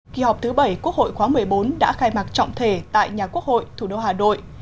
kỳ họp thứ bảy quốc hội khóa một mươi bốn đã khai mạc trọng thể tại nhà quốc hội thủ đô hà nội